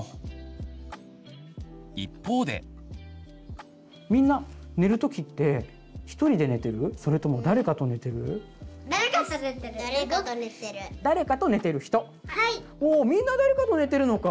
おみんな誰かと寝てるのか。